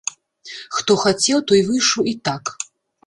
Хто хацеў, той выйшаў і так.